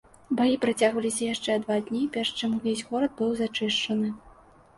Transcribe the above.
Баі працягваліся яшчэ два дні, перш чым увесь горад быў зачышчаны.